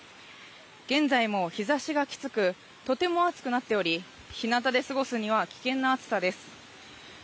現在も日差しがきつくとても暑くなっており日なたで過ごすには危険な暑さです。